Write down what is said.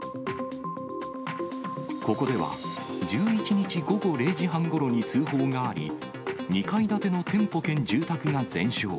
ここでは１１日午後０時半ごろに通報があり、２階建ての店舗兼住宅が全焼。